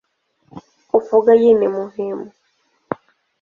Ufugaji ni muhimu.